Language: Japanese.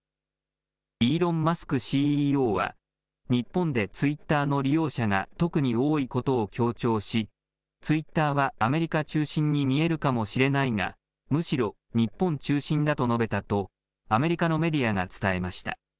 イーロン・マスクＣＥＯは、日本でツイッターの利用者が特に多いことを強調し、ツイッターはアメリカ中心に見えるかもしれないが、むしろ日本中心だと述べたとアメリカのメディアが伝えました。